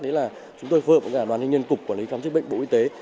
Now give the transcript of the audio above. đấy là chúng tôi phơ hợp với đoàn thanh niên cục quản lý khám chữa bệnh bộ y tế